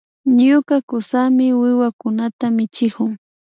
Ñuka kusami wiwakunata michikun